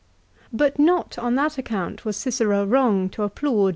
But not on that account was Cicero wrong to applaud the VOL.